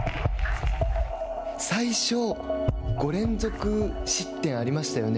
最初、５連続失点ありましたよね。